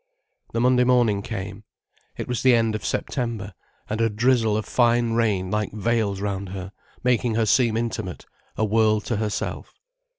The Monday morning came. It was the end of September, and a drizzle of fine rain like veils round her, making her seem intimate, a world to herself.